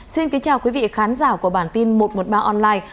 xin kính chào quý vị khán giả của bản tin một trăm một mươi ba online